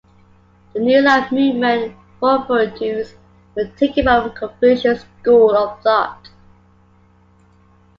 The New life Movement "four virtues" were taken from Confucian school of thought.